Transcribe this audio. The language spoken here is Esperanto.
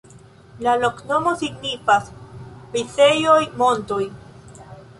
La loknomo signifas: rizejoj-montoj.